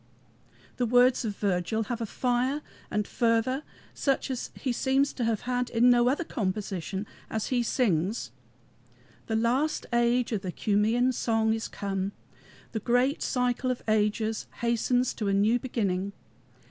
The words of Virgil have a fire and fervor such as he seems to have had in no other composition, as he sings: "The last age of the Cumæan song is come. The great cycle of ages hastens to a new beginning.